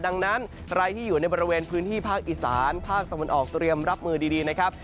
ดังนั้นใครที่อยู่ในบริเวณพื้นที่ภาคอีสานภาคตะวันออกเตรียมรับมือดีนะครับ